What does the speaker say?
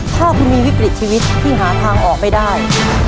ถ้าคุณมีวิกฤตชีวิตที่หาทางออกไม่ได้